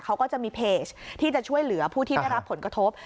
เขาก็จะมีเพจที่จะช่วยเหลือผู้ที่ได้รับผลกระทบ